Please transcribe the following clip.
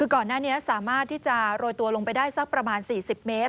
ก่อนหน้านี้สามารถที่จะโรยตัวลงไปได้สักประมาณ๔๐เมตร